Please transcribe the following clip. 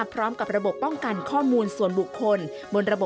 ผมฟังใจครับ